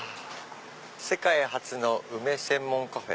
「世界初の梅専門カフェ」。